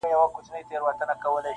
ترخه د طعن به غوځار کړي هله,